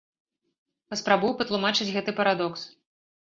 Паспрабую патлумачыць гэты парадокс.